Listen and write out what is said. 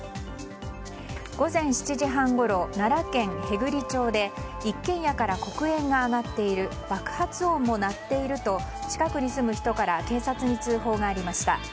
午前７時半ごろ奈良県平群町で一軒屋から黒煙が上がっている爆発音も鳴っていると近くに住む人から警察に通報がありました。